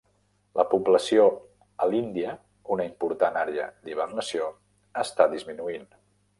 La població a l'Índia-una important àrea d'hibernació-està disminuint.